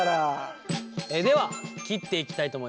では切っていきたいと思います。